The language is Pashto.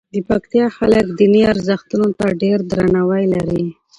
د پکتیکا خلک دیني ارزښتونو ته ډېر درناوی لري.